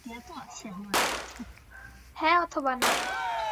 হ্যাঁ অথবা না!